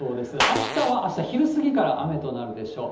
秋田はあした、昼過ぎから雨となるでしょう。